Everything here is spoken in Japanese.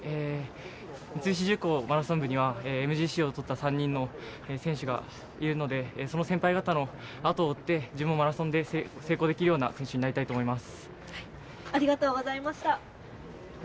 三菱重工マラソン部にはＭＧＣをとった３人の先輩がいるのでその先輩方の後を追って自分もマラソンで成功できるような選手になりたいと思います。